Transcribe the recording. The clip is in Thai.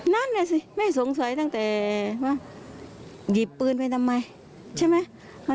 นั่นแหละสิแม่สงสัยตั้งแต่ว่าหยิบปืนไปทำไมใช่ไหม